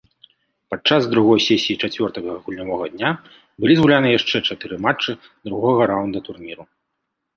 Падчас другой сесіі чацвёртага гульнявога дня былі згуляны яшчэ чатыры матчы другога раўнда турніру.